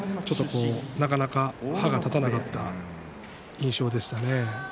なかなか歯が立たなかった印象でした。